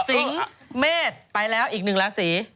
สิงเมษไปแล้วอีกหนึ่งราศี